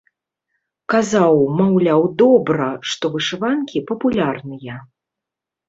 Казаў, маўляў, добра, што вышыванкі папулярныя.